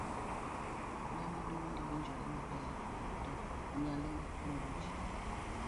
ne ni dwondi winjore maber to nyalo moro ji